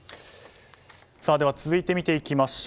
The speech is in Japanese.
では、続いて見ていきましょう。